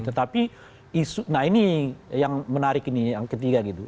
tetapi isu nah ini yang menarik ini yang ketiga gitu